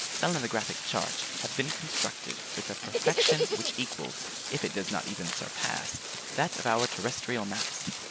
Selenographic charts have been constructed with a perfection which equals, if it does not even surpass, that of our terrestrial maps.